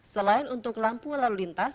selain untuk lampu lalu lintas